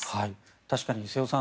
確かに瀬尾さん